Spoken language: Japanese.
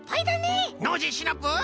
ノージーシナプー！